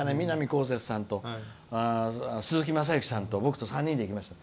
こうせつさんと鈴木雅之さんと僕の３人で行きました。